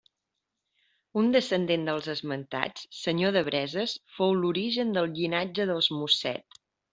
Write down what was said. Un descendent dels esmentats, senyor de Breses, fou l'origen del llinatge dels Mosset.